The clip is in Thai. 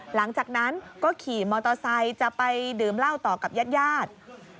หลังจากนั้นก็ขี่มอเตอร์ไซค์จะไปดื่มเหล้าต่อกับญาติญาติ